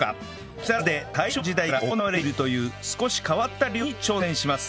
木更津で大正時代から行われているという少し変わった漁に挑戦します